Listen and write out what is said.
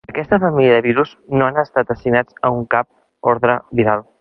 Aquesta família de virus no han estat assignats a un cap ordre viral.